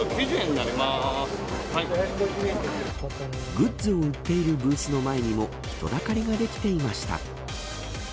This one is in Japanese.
グッズを売っているブースの前にも人だかりができていました。